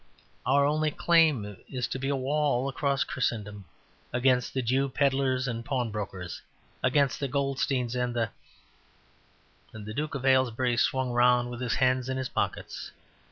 Our only claim is to be a wall across Christendom against the Jew pedlars and pawnbrokers, against the Goldsteins and the " The Duke of Aylesbury swung round with his hands in his pockets.